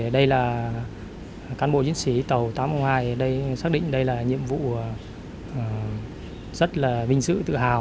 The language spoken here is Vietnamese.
đây là cán bộ chiến sĩ tàu tám nghìn hai xác định đây là nhiệm vụ rất là vinh dự tự hào